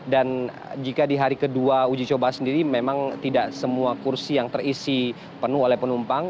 dan jika di hari kedua uji coba sendiri memang tidak semua kursi yang terisi penuh oleh penumpang